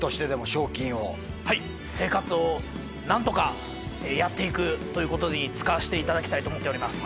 はい生活を何とかやって行くということに使わせていただきたいと思っております。